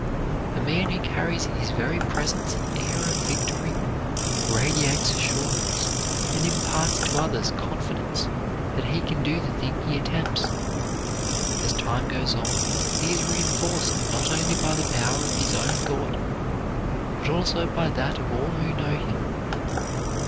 A man who carries in his very presence an air of victory, radiates assurance, and imparts to others confidence that he can do the thing he attempts. As time goes on, he is reenforced not only by the power of his own thought, but also by that of all who know him.